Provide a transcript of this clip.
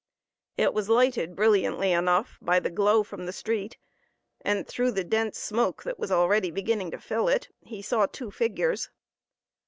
It was lighted brilliantly enough by the glow from the street, and through the dense smoke that was already beginning to fill it he saw two figures.